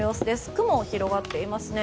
雲が広がっていますね。